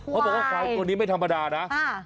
เขาบอกว่าควายตัวนี้ไม่ธรรมดานะ